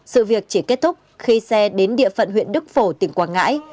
sự việc chỉ kết thúc khi xe đến địa phận huyện đức phổ tỉnh quảng ngãi